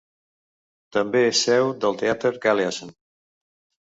També és seu del Teater Galeasen.